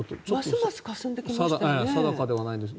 ますますかすんできましたね。